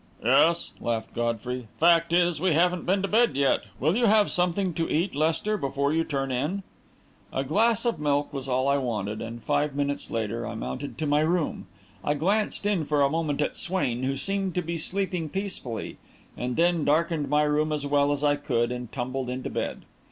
"Yes," laughed Godfrey; "fact is, we haven't been to bed yet. Will you have something to eat, Lester, before you turn in?" A glass of milk was all I wanted; and five minutes later I mounted to my room. I glanced in for a moment at Swain, who seemed to be sleeping peacefully; and then darkened my room as well as I could and tumbled into bed.